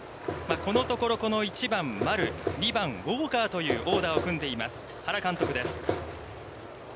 このところ、この１番丸、２番ウォーカーというオーダーを組んでいます原監督です。